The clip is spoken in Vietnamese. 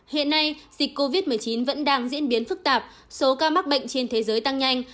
hiện nay dịch covid một mươi chín vẫn đang diễn biến phức tạp số ca mắc bệnh trên thế giới tăng nhanh